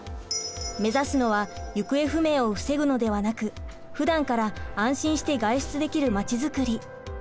目指すのは行方不明を防ぐのではなくふだんから安心して外出できる街づくり。